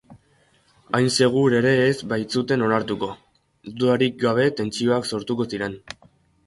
Hain segur ere ez baitzuen onartuko, dudarik gabe tentsioak sortuko ziren.